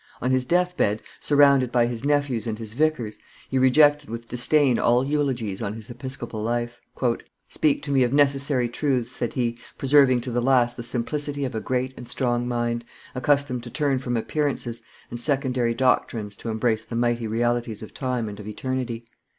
On his death bed, surrounded by his nephews and his vicars, he rejected with disdain all eulogies on his episcopal life. "Speak to me of necessary truths," said he, preserving to the last the simplicity of a great and strong mind, accustomed to turn from appearances and secondary doctrines to embrace the mighty realities of time and of eternity.